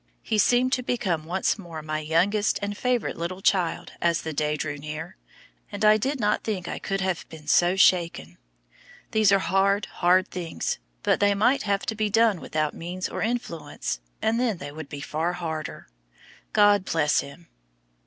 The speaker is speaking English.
He seemed to become once more my youngest and favorite little child as the day drew near, and I did not think I could have been so shaken. These are hard, hard things, but they might have to be done without means or influence, and then they would be far harder. God bless him!"